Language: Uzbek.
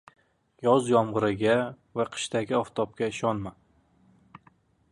• Yoz yomg‘iriga va qishdagi oftobga ishonma.